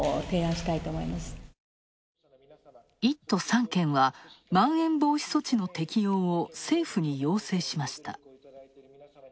１都３県は、まん延防止措置の適用を政府に要請しました。